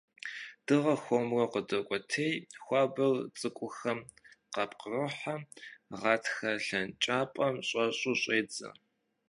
Дыгъэр хуэмурэ къыдокӀуэтей, хуабэр цӀыкӀухэм къапкърохьэ, гъатхэ лъэнкӀапӀэм щӀэщӀэу щӀедзэ.